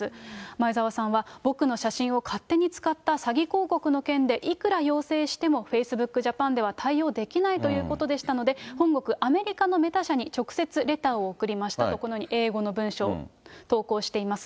前澤さんは、僕の写真を勝手に使った詐欺広告の件でいくら要請しても、フェイスブックジャパンでは対応できないということでしたので、本国、アメリカのメタ社に直接レターを送りましたと、このように英語の文章、投稿しています。